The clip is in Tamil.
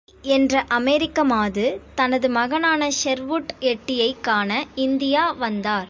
எட்டி என்ற அமெரிக்க மாது, தன் மகனான ஷெர்வுட் எட்டியைக் காண இந்தியா வந்தார்.